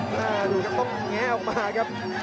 ดูครับต้องแงะออกมาครับ